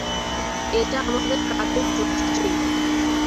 এটা আমাদের কাজের জোক্স ছিলো।